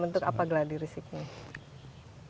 pertama tentang pengetahuan dan potensi bahwa kita ini rawan